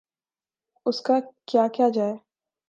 اس کا کیا کیا جائے؟